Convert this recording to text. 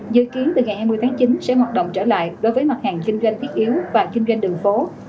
dự kiến từ ngày hai mươi tháng chín sẽ hoạt động trở lại đối với mặt hàng kinh doanh thiết yếu và kinh doanh đường phố